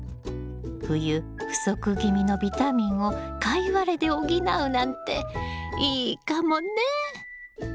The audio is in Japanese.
冬不足気味のビタミンをカイワレで補うなんていいかもね！